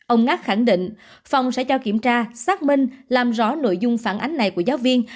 ông ngác khẳng định phòng sẽ cho kiểm tra xác minh làm rõ nội dung phản ánh này của giáo viên